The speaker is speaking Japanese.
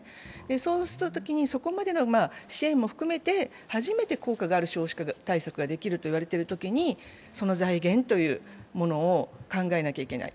そうしたときにそこまでの支援も含めて初めて効果がある少子化対策ができると言われている中でその財源というものを考えなきゃいけない。